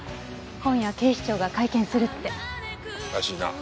今夜警視庁が会見するって。らしいな。